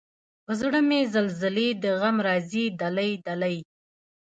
پۀ زړۀ مې زلزلې د غم راځي دلۍ، دلۍ